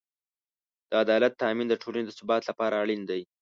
د عدالت تأمین د ټولنې د ثبات لپاره اړین دی.